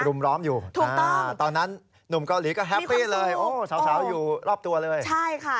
ร้อมอยู่ตอนนั้นหนุ่มเกาหลีก็แฮปปี้เลยโอ้สาวอยู่รอบตัวเลยใช่ค่ะ